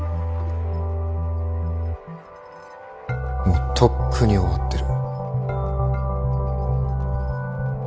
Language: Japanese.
もうとっくに終わってる。